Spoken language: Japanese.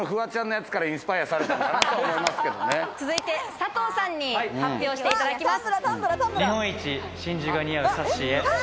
佐藤さんに発表していただきます。